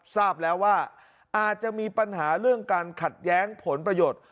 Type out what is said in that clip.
ทราบแล้วว่าอาจจะมีปัญหาเรื่องการขัดแย้งผลประโยชน์